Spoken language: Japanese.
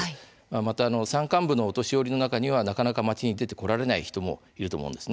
また山間部のお年寄りの中にはなかなか街に出て来られない人もいると思うんです。